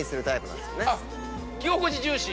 着心地重視？